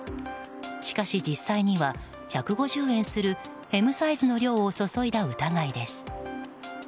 しかし実際には１５０円するＭサイズの量を注いだ疑いです。